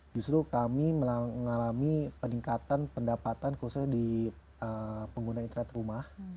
justru kami mengalami peningkatan pendapatan khususnya di pengguna internet rumah